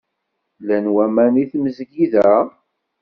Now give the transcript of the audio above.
Llan waman deg tmezgida?